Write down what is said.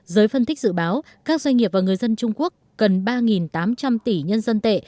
giới phân tích dự báo các doanh nghiệp và người dân trung quốc cần ba tám trăm linh tỷ nhân dân tệ